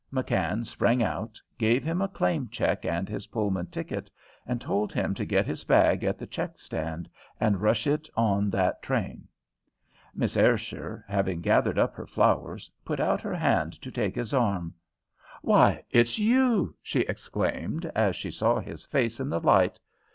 McKann sprang out, gave him a claim check and his Pullman ticket, and told him to get his bag at the check stand and rush it on that train. Miss Ayrshire, having gathered up her flowers, put out her hand to take his arm. "Why, it's you!" she exclaimed, as she saw his face in the light.